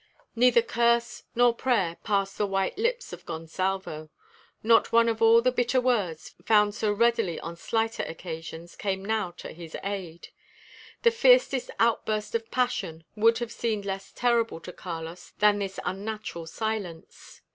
Neither curse nor prayer passed the white lips of Gonsalvo. Not one of all the bitter words, found so readily on slighter occasions, came now to his aid. The fiercest outburst of passion would have seemed less terrible to Carlos than this unnatural silence.